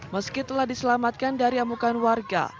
meski telah diselamatkan dari amukan warga